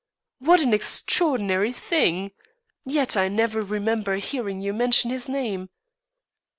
"What an extraordinary thing! Yet I never remember hearing you mention his name."